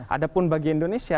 ada pun bagi indonesia